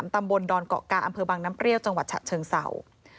ตำบลดอนเกาะกาอำเภอบังน้ำเปรี้ยวจังหวัดฉะเชิงเศร้า